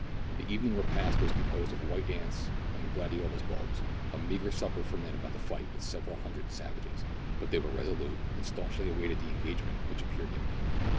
The evening repast was com posed of white ants and gladiolus bulbs — a meagre supper for men about to fight with several hundred savages ; but they were resolute, and staunchly awaited the engagement which appeared imminent.